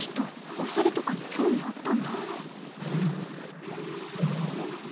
オシャレとかに興味あったんだ